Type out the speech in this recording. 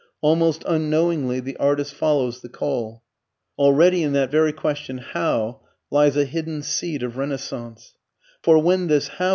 Almost unknowingly the artist follows the call. Already in that very question "how?" lies a hidden seed of renaissance. For when this "how?"